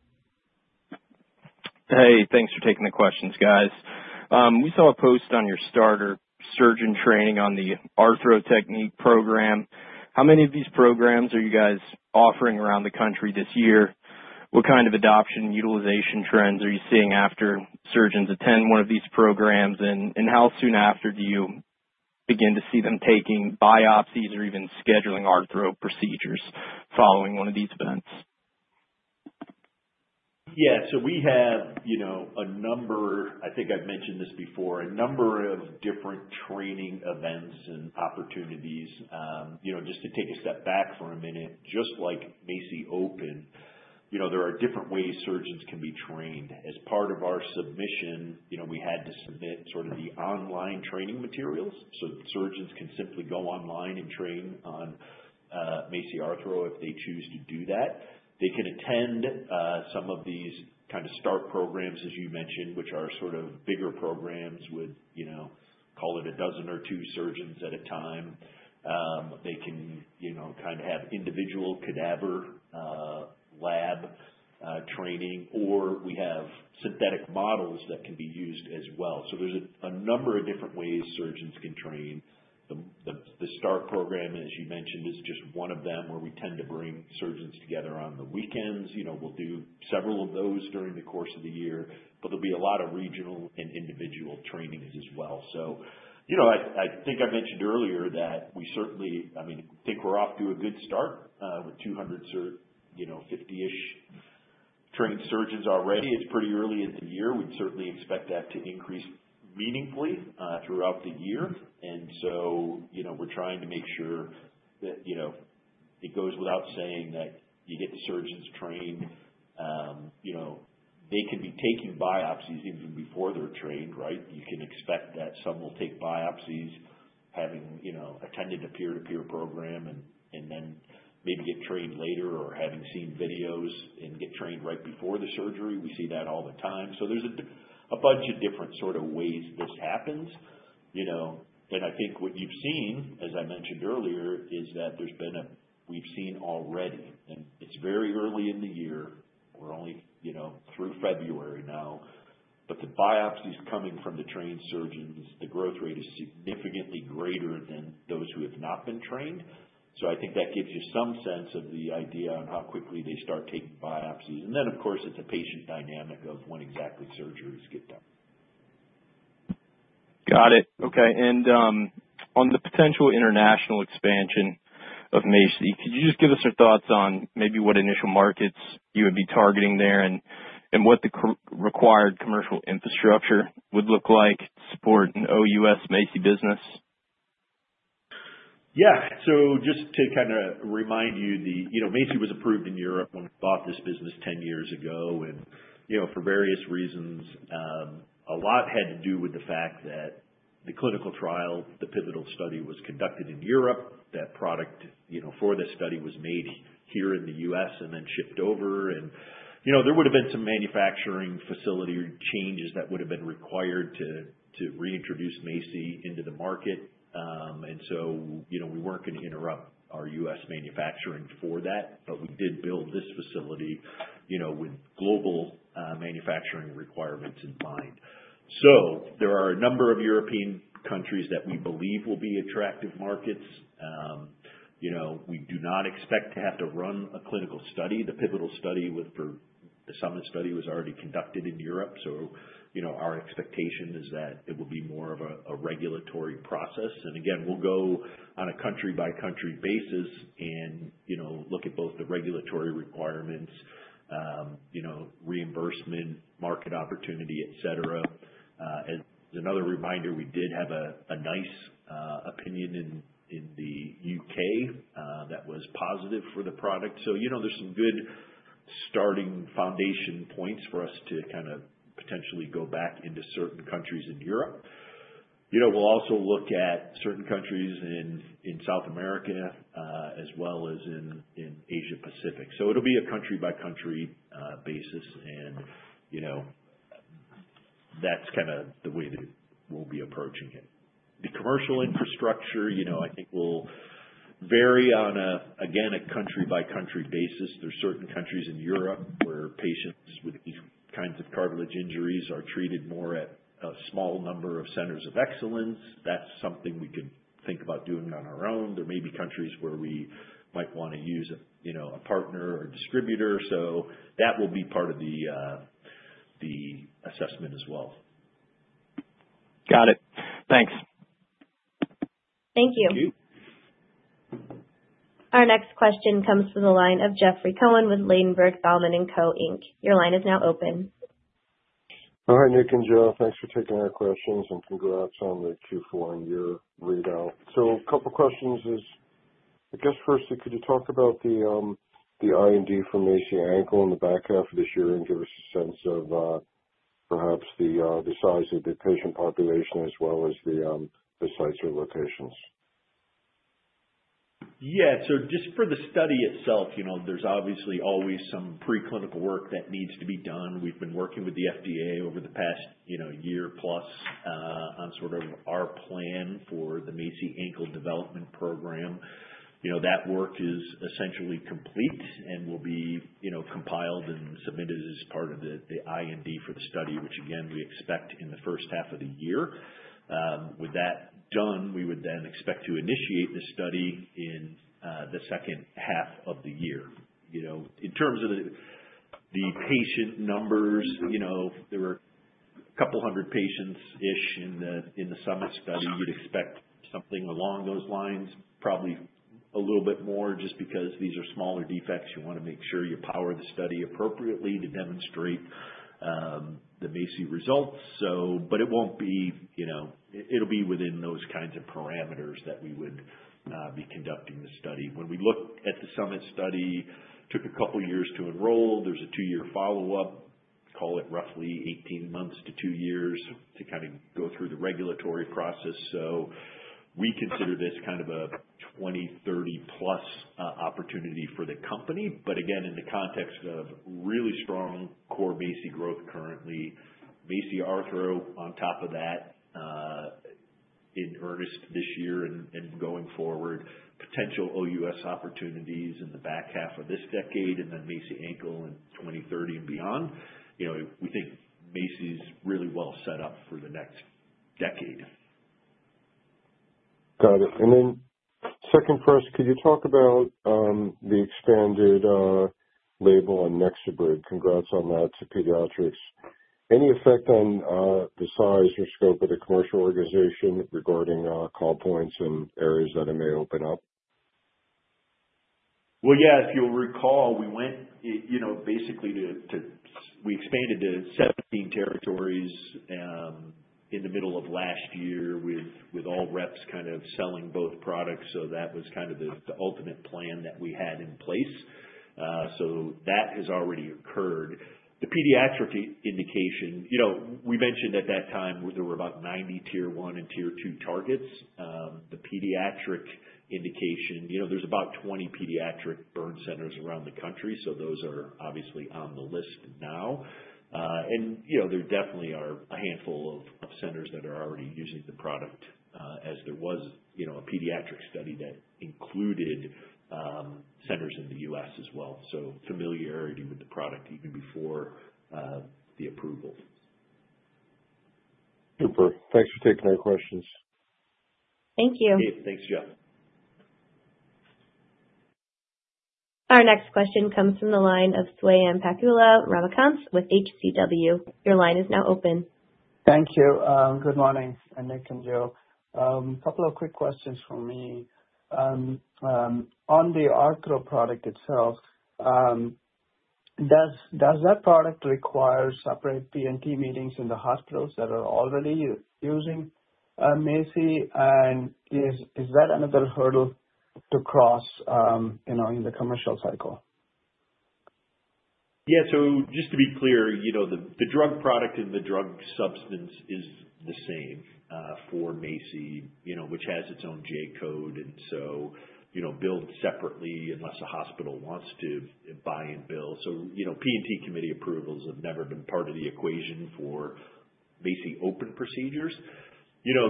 Speaker 10: Hey, thanks for taking the questions, guys. We saw a post on your starter surgeon training on the Arthro technique program. How many of these programs are you guys offering around the country this year? What kind of adoption utilization trends are you seeing after surgeons attend one of these programs, and how soon after do you begin to see them taking biopsies or even scheduling Arthro procedures following one of these events?
Speaker 3: Yeah. So we have a number, I think I've mentioned this before, a number of different training events and opportunities. Just to take a step back for a minute, just like MACI Open, there are different ways surgeons can be trained. As part of our submission, we had to submit sort of the online training materials. So surgeons can simply go online and train on MACI Arthro if they choose to do that. They can attend some of these kind of STAR programs, as you mentioned, which are sort of bigger programs with, call it, a dozen or two surgeons at a time. They can kind of have individual cadaver lab training, or we have synthetic models that can be used as well. So there's a number of different ways surgeons can train. The STAR program, as you mentioned, is just one of them where we tend to bring surgeons together on the weekends. We'll do several of those during the course of the year, but there'll be a lot of regional and individual trainings as well. So I think I mentioned earlier that we certainly, I mean, think we're off to a good start with 250-ish trained surgeons already. It's pretty early in the year. We'd certainly expect that to increase meaningfully throughout the year. And so we're trying to make sure that it goes without saying that you get the surgeons trained. They can be taking biopsies even before they're trained, right? You can expect that some will take biopsies having attended a peer-to-peer program and then maybe get trained later or having seen videos and get trained right before the surgery. We see that all the time. So there's a bunch of different sort of ways this happens. And I think what you've seen, as I mentioned earlier, is that we've seen already, and it's very early in the year. We're only through February now, but the biopsies coming from the trained surgeons, the growth rate is significantly greater than those who have not been trained. So I think that gives you some sense of the idea on how quickly they start taking biopsies. And then, of course, it's a patient dynamic of when exactly surgeries get done.
Speaker 10: Got it. Okay. And on the potential international expansion of MACI, could you just give us your thoughts on maybe what initial markets you would be targeting there and what the required commercial infrastructure would look like to support an OUS MACI business?
Speaker 3: Yeah. So just to kind of remind you, MACI was approved in Europe when we bought this business 10 years ago. And for various reasons, a lot had to do with the fact that the clinical trial, the pivotal study was conducted in Europe. That product for the study was made here in the U.S. and then shipped over. And there would have been some manufacturing facility changes that would have been required to reintroduce MACI into the market. And so we weren't going to interrupt our U.S. manufacturing for that, but we did build this facility with global manufacturing requirements in mind. So there are a number of European countries that we believe will be attractive markets. We do not expect to have to run a clinical study. The pivotal study for the SUMMIT study was already conducted in Europe. So our expectation is that it will be more of a regulatory process. And again, we'll go on a country-by-country basis and look at both the regulatory requirements, reimbursement, market opportunity, etc. As another reminder, we did have a nice opinion in the UK that was positive for the product. So there's some good starting foundation points for us to kind of potentially go back into certain countries in Europe. We'll also look at certain countries in South America as well as in Asia Pacific. So it'll be a country-by-country basis, and that's kind of the way that we'll be approaching it. The commercial infrastructure, I think, will vary on, again, a country-by-country basis. There are certain countries in Europe where patients with these kinds of cartilage injuries are treated more at a small number of centers of excellence. That's something we can think about doing on our own. There may be countries where we might want to use a partner or distributor. So that will be part of the assessment as well.
Speaker 10: Got it. Thanks.
Speaker 1: Thank you.
Speaker 3: Thank you.
Speaker 1: Our next question comes from the line of Jeffrey Cohen with Ladenburg Thalmann & Co. Inc. Your line is now open.
Speaker 11: All right, Nick and Joe, thanks for taking our questions and congrats on the Q4 and year readout. So a couple of questions is, I guess, firstly, could you talk about the IND for MACI Ankle in the back half of this year and give us a sense of perhaps the size of the patient population as well as the sites or locations?
Speaker 3: Yeah. So just for the study itself, there's obviously always some preclinical work that needs to be done. We've been working with the FDA over the past year plus on sort of our plan for the MACI Ankle development program. That work is essentially complete and will be compiled and submitted as part of the IND for the study, which, again, we expect in the first half of the year. With that done, we would then expect to initiate the study in the second half of the year. In terms of the patient numbers, there were a couple hundred patients-ish in the SUMMIT study. You'd expect something along those lines, probably a little bit more just because these are smaller defects. You want to make sure you power the study appropriately to demonstrate the MACI results. But it won't be, it'll be within those kinds of parameters that we would be conducting the study. When we look at the SUMMIT study, it took a couple of years to enroll. There's a two-year follow-up, call it roughly 18 months to two years to kind of go through the regulatory process. So we consider this kind of a 2030-plus opportunity for the company. But again, in the context of really strong core MACI growth currently, MACI Arthro on top of that in earnest this year and going forward, potential OUS opportunities in the back half of this decade, and then MACI Ankle in 2030 and beyond. We think MACI's really well set up for the next decade.
Speaker 11: Got it. And then second question, could you talk about the expanded label on NexoBrid? Congrats on that to pediatrics. Any effect on the size or scope of the commercial organization regarding call points and areas that it may open up?
Speaker 3: Yeah. If you'll recall, we expanded to 17 territories in the middle of last year with all reps kind of selling both products, so that was kind of the ultimate plan that we had in place, so that has already occurred. The pediatric indication, we mentioned at that time there were about 90 tier one and tier two targets. The pediatric indication, there's about 20 pediatric burn centers around the country, so those are obviously on the list now, and there definitely are a handful of centers that are already using the product as there was a pediatric study that included centers in the U.S. as well, so familiarity with the product even before the approval.
Speaker 11: Super. Thanks for taking our questions.
Speaker 1: Thank you.
Speaker 3: Thanks, Jeff.
Speaker 1: Our next question comes from the line of Swayampakula Ramakanth with HCW. Your line is now open.
Speaker 12: Thank you. Good morning, Nick and Joe. A couple of quick questions for me. On the Arthro product itself, does that product require separate P&T meetings in the hospitals that are already using MACI? And is that another hurdle to cross in the commercial cycle?
Speaker 3: Yeah. So just to be clear, the drug product and the drug substance is the same for MACI, which has its own J-code. And so build separately unless a hospital wants to buy and bill. So P&T committee approvals have never been part of the equation for MACI open procedures.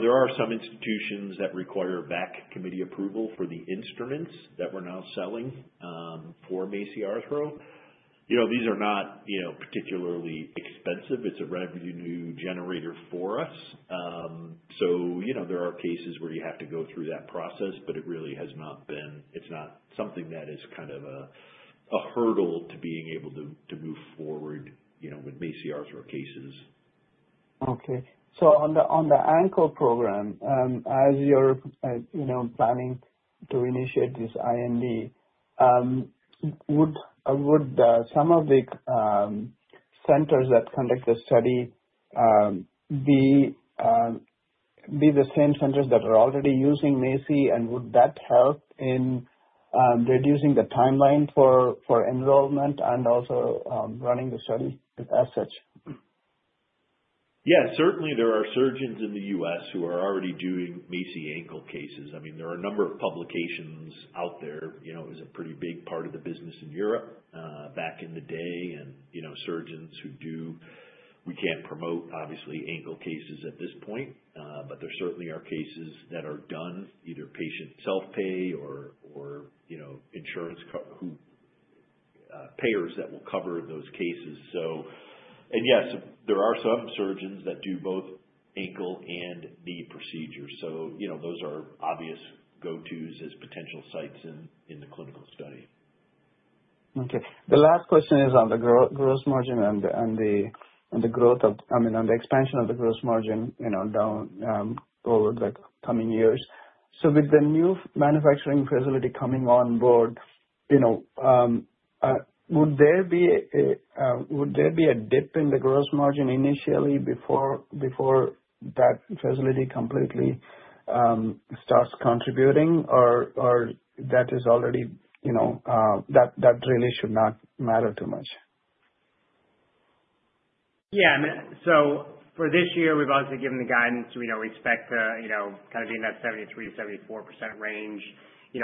Speaker 3: There are some institutions that require VAC committee approval for the instruments that we're now selling for MACI Arthro. These are not particularly expensive. It's a revenue generator for us. So there are cases where you have to go through that process, but it really has not been. It's not something that is kind of a hurdle to being able to move forward with MACI Arthro cases.
Speaker 12: Okay, so on the Ankle program, as you're planning to initiate this IND, would some of the centers that conduct the study be the same centers that are already using MACI? And would that help in reducing the timeline for enrollment and also running the study as such?
Speaker 3: Yeah. Certainly, there are surgeons in the U.S. who are already doing MACI Ankle cases. I mean, there are a number of publications out there. It was a pretty big part of the business in Europe back in the day. And surgeons who do—we can't promote, obviously, Ankle cases at this point, but there certainly are cases that are done either patient self-pay or insurance payers that will cover those cases. And yes, there are some surgeons that do both Ankle and knee procedures. So those are obvious go-tos as potential sites in the clinical study.
Speaker 12: Okay. The last question is on the gross margin and the growth of, I mean, on the expansion of the gross margin down over the coming years. So with the new manufacturing facility coming on board, would there be a dip in the gross margin initially before that facility completely starts contributing, or that really should not matter too much?
Speaker 4: Yeah. So for this year, we've obviously given the guidance. We expect to kind of be in that 73 to 74% range.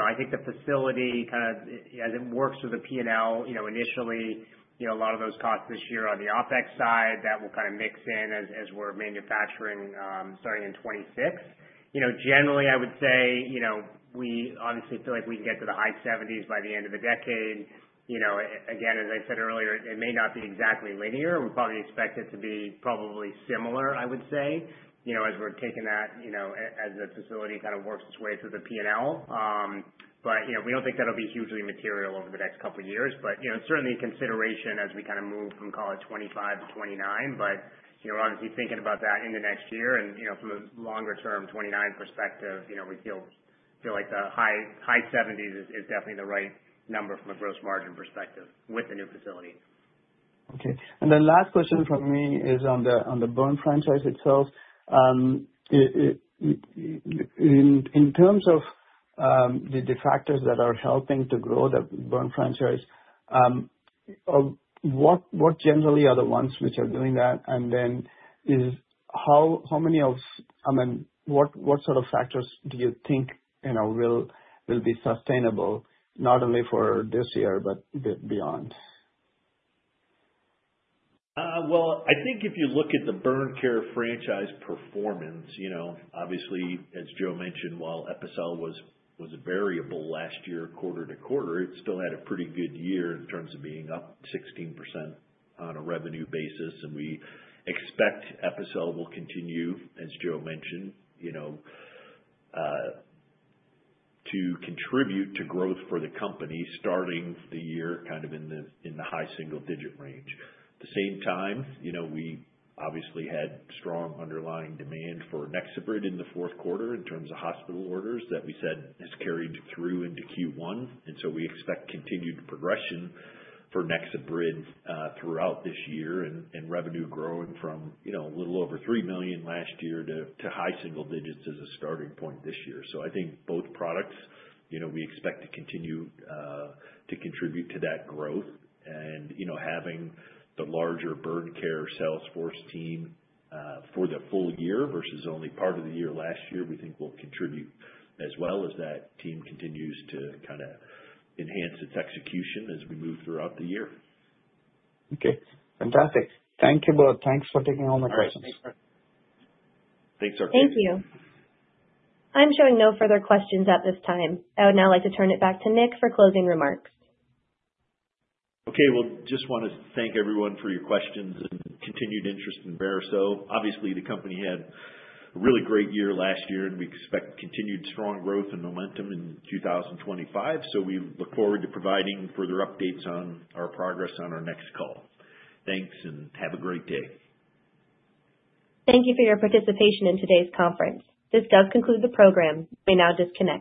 Speaker 4: I think the facility, kind of as it works with the P&L initially, a lot of those costs this year are on the OpEx side. That will kind of mix in as we're manufacturing starting in 2026. Generally, I would say we obviously feel like we can get to the high 70s by the end of the decade. Again, as I said earlier, it may not be exactly linear. We probably expect it to be probably similar, I would say, as we're taking that as the facility kind of works its way through the P&L. But we don't think that'll be hugely material over the next couple of years. But certainly, consideration as we kind of move from, call it, 2025 to 2029. But obviously, thinking about that in the next year and from a longer-term 2029 perspective, we feel like the high 70s is definitely the right number from a gross margin perspective with the new facility.
Speaker 12: Okay. And the last question from me is on the burn franchise itself. In terms of the factors that are helping to grow the burn franchise, what generally are the ones which are doing that? And then how many of—I mean, what sort of factors do you think will be sustainable not only for this year but beyond?
Speaker 3: I think if you look at the burn care franchise performance, obviously, as Joe mentioned, while Epicel was variable last year quarter to quarter, it still had a pretty good year in terms of being up 16% on a revenue basis. We expect Epicel will continue, as Joe mentioned, to contribute to growth for the company starting the year kind of in the high single-digit range. At the same time, we obviously had strong underlying demand for NexoBrid in the fourth quarter in terms of hospital orders that we said has carried through into Q1. We expect continued progression for NexoBrid throughout this year and revenue growing from a little over $3 million last year to high single digits as a starting point this year. I think both products, we expect to continue to contribute to that growth. Having the larger burn care sales force team for the full year versus only part of the year last year, we think will contribute as well as that team continues to kind of enhance its execution as we move throughout the year.
Speaker 12: Okay. Fantastic. Thank you, both. Thanks for taking all my questions.
Speaker 3: It's our pleasure.
Speaker 1: Thank you. I'm showing no further questions at this time. I would now like to turn it back to Nick for closing remarks.
Speaker 3: Just want to thank everyone for your questions and continued interest in Vericel. Obviously, the company had a really great year last year, and we expect continued strong growth and momentum in 2025. So we look forward to providing further updates on our progress on our next call. Thanks, and have a great day.
Speaker 1: Thank you for your participation in today's conference. This does conclude the program. You may now disconnect.